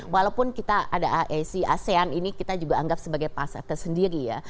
walaupun kita ada si asean ini kita juga anggap sebagai pasar tersendiri ya